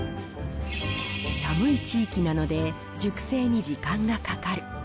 寒い地域なので熟成に時間がかかる。